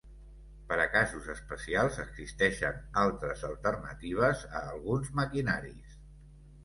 Per a casos especials, existeixen altres alternatives a alguns maquinaris.